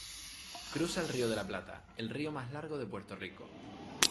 Cruza el río de la Plata, el río más largo de Puerto Rico.